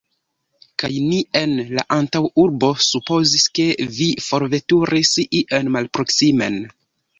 Kaj ni en la antaŭurbo supozis, ke vi forveturis ien malproksimen!